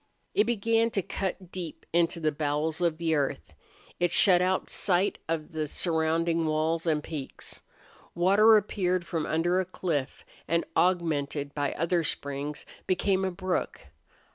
It began to cut deep into the bowels of the earth. It shut out sight of the surrounding walls and peaks. Water appeared from under a cliff and, augmented by other springs, became a brook.